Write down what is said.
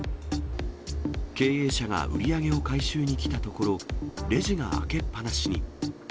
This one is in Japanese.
経営者が売り上げを回収に来たところ、レジが開けっ放しに。